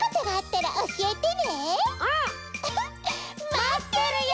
まってるよ！